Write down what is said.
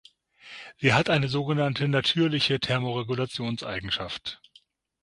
Sie hat eine sogenannte natürliche Thermoregulations-Eigenschaft.